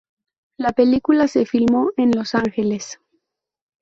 La película se filmó en Los Ángeles.